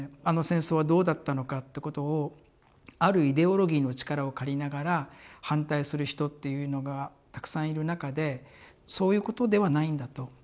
「あの戦争はどうだったのか」ってことをあるイデオロギーの力を借りながら反対する人っていうのがたくさんいる中でそういうことではないんだと。